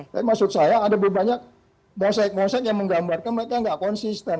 tapi maksud saya ada berbanyak bosek bosek yang menggambarkan mereka tidak konsisten